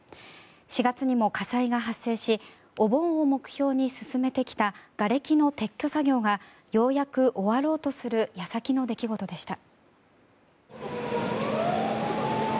４月にも火災が発生しお盆を目標に進めてきたがれきの撤去作業がようやく終わろうとする矢先の出来事でした。